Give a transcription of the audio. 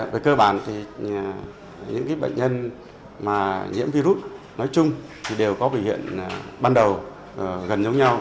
về cơ bản những bệnh nhân nhiễm virus nói chung đều có bệnh hiện ban đầu gần giống nhau